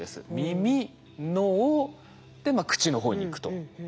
耳脳で口の方に行くと。